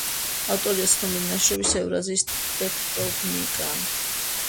ავტორია ცნობილი ნაშრომისა „ევრაზიის ტექტონიკა“.